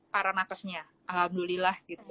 para nakasnya alhamdulillah gitu